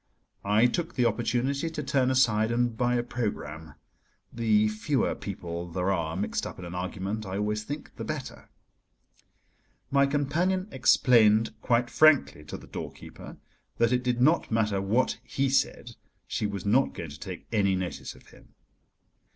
I took the opportunity to turn aside and buy a programme: the fewer people there are mixed up in an argument, I always think, the better. My companion explained quite frankly to the doorkeeper that it did not matter what he said, she was not going to take any notice of him.